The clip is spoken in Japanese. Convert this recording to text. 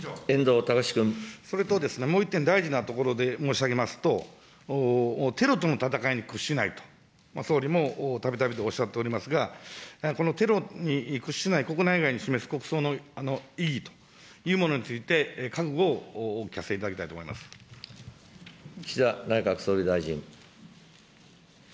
それと、もう一点大事なところで申し上げますと、テロとの戦いに屈しないと、総理もたびたびおっしゃっておりますが、このテロに屈しない、国内外に示す国葬の意義というものについて、覚悟をお聞かせいた岸田内閣総理大臣。